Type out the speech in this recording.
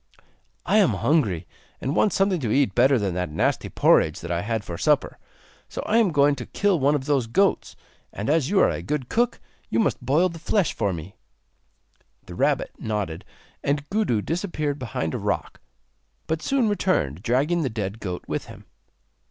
'I am hungry and want something to eat better than that nasty porridge that I had for supper. So I am going to kill one of those goats, and as you are a good cook you must boil the flesh for me.' The rabbit nodded, and Gudu disappeared behind a rock, but soon returned dragging the dead goat with him.